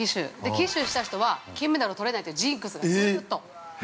旗手した人は金メダルを取れないというジンクスがずーっと。